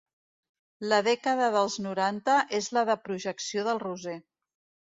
La dècada dels noranta és la de projecció del Roser.